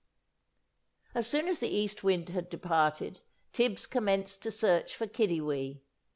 As soon as the East Wind had departed, Tibbs commenced to search for Kiddiwee.